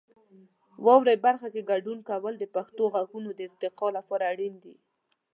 واورئ برخه کې ګډون کول د پښتو غږونو د ارتقا لپاره اړین دی.